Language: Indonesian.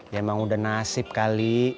ya emang udah nasib kali